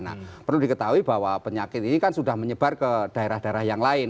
nah perlu diketahui bahwa penyakit ini kan sudah menyebar ke daerah daerah yang lain